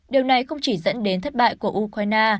điều này không chỉ dẫn đến thất bại của ukraine